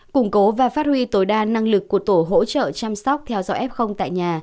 củng cố và phát huy tối đa năng lực của tổ hỗ trợ chăm sóc theo dõi f tại nhà